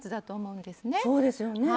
そうですよね。